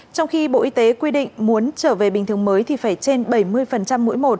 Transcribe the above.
trong khi bộ y tế quy định muốn trở về bình thường mới thì phải trên bảy mươi mỗi một